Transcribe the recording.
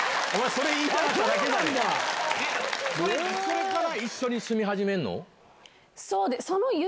それから一緒に住み始めんの？